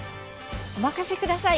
おまかせください